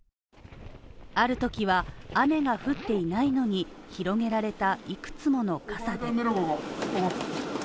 ある時は雨が降っていないのに広げられたいくつもの傘で。